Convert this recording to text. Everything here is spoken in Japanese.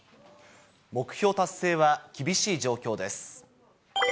目標達成は厳しい状況です。